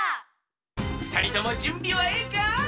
ふたりともじゅんびはええか？